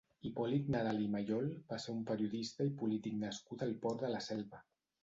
Hipòlit Nadal i Mallol va ser un periodista i polític nascut al Port de la Selva.